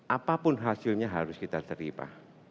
apapun hasilnya harus kita terima